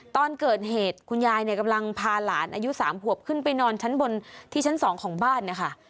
ตอนเกิดเหตุคุณยายเนี่ยกำลังพาหลานอายุ๓ขวบขึ้นไปนอนชั้นบนที่ชั้น๒ของบ้านนะคะ